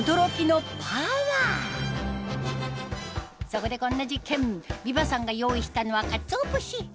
そこでこんな実験ビバさんが用意したのはかつお節